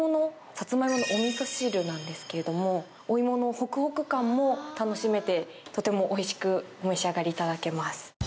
サツマイモのおみそ汁なんですけどもお芋のホクホク感も楽しめてとてもおいしくお召し上がりいただけます。